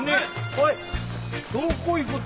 おいどこ行く。